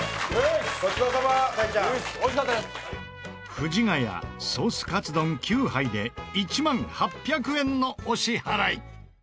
藤ヶ谷ソースカツ丼９杯で１万８００円のお支払い。